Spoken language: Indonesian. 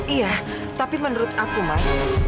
iya tapi menurut aku mas